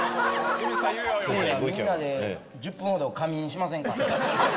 みんなで１０分ほど仮眠しませんか？